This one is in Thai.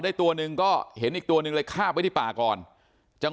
จากประหมอหนึ่งก็ได้เห็นอีกตัวหนึ่งแบบนอน